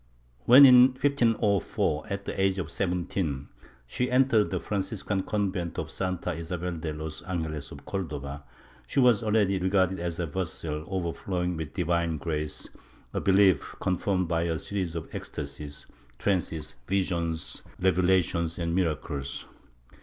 When, in 1504, at the age of 17, she entered the Franciscan convent of Santa Isabel de los Angeles of Cordova, she was already regarded as a vessel overflowing with divine grace, a belief con firmed by a series of ecstasies, trances, visions, revelations and miracles.